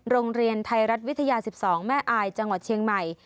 โรงเรียนไทยรัฐวิทยา๑๒แม่อายจังหวัดเชียงใหม่